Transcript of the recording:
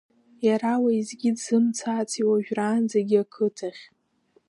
Иара уеизгьы дзымцаци уажәраанӡагьы ақыҭахь?